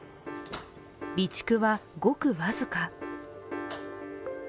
備蓄はごく僅か。